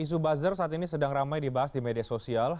isu buzzer saat ini sedang ramai dibahas di media sosial